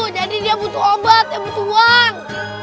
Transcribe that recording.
jadi dia butuh obat yang butuh uang